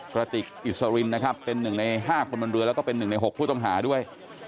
ประติกอิสรินเป็นหนึ่งในห้าคนบรรเรือแล้วก็เป็นหนึ่งในหกผู้ต้องหาด้วย